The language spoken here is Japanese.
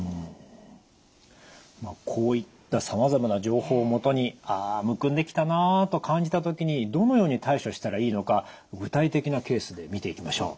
こういったさまざまな情報を基にああむくんできたなあと感じた時にどのように対処したらいいのか具体的なケースで見ていきましょう。